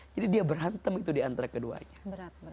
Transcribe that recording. jadi dia berantem itu di antara keduanya